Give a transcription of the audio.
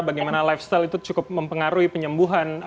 bagaimana lifestyle itu cukup mempengaruhi penyembuhan